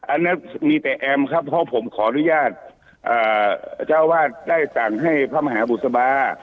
อันนั้นมีแต่แอมครับเพราะผมขออนุญาตเจ้าวาดได้สั่งให้พระมหาบุษบา